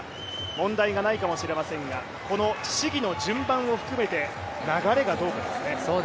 問題がないかもしれませんが、この試技の順番を含めて流れがどうかですね。